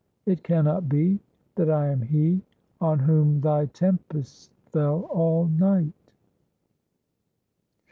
It cannot be That I am he On whom Thy tempests fell all night!"